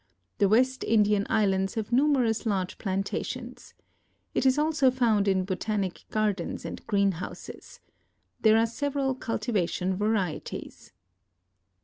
The West Indian islands have numerous large plantations. It is also found in botanic gardens and greenhouses. There are several cultivation varieties.